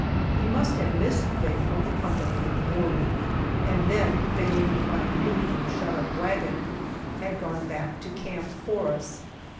He must have missed Faye from the company in the morning, and then failing to find me in the shut up wagon, had gone back to camp for us.